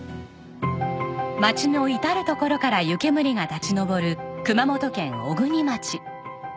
町の至る所から湯煙が立ち上る熊本県小国町。